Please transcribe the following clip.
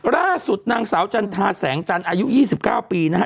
ล่าสุดนางสาวจันทราแสงจันทร์อายุ๒๙ปีนะฮะ